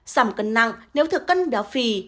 giảm cân nặng nếu thực cân béo phì